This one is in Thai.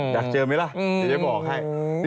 อยากเจอไหมล่ะอยากจะบอกให้